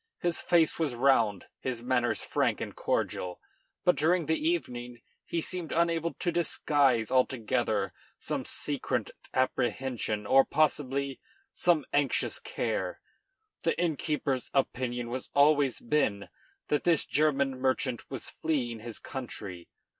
His face was round, his manners frank and cordial; but during the evening he seemed unable to disguise altogether some secret apprehension or, possibly, some anxious care. The innkeeper's opinion has always been that this German merchant was fleeing his country.